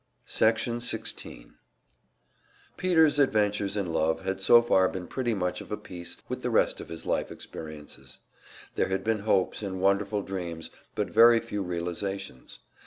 Section 16 Peter's adventures in love had so far been pretty much of a piece with the rest of his life experiences; there had been hopes, and wonderful dreams, but very few realizations.